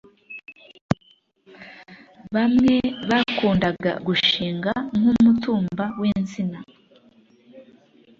bamwe bakundaga gushinga nk’ umutumba w’ insina